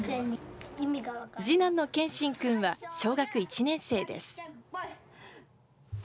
次男の健心君は小学１年生です。